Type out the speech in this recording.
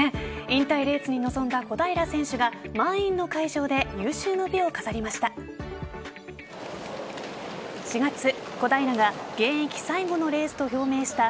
引退レースに臨んだ小平選手が満員の会場で有終の美を飾りました。